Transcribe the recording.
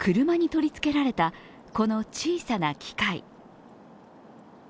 車に取りつけられたこの小さな機械。